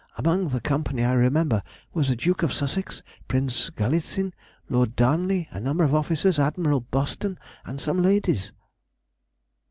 Among the company I remember were the Duke of Sussex, Prince Galitzin, Lord Darnley, a number of officers, Admiral Boston, and some ladies.